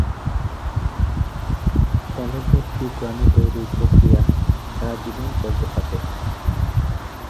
ছেলেদের শুক্রাণু তৈরির প্রক্রিয়া সারাজীবন চলতে থাকে।